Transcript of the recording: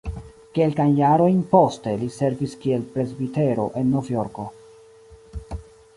Kelkajn jarojn poste li servis kiel presbitero en Novjorko.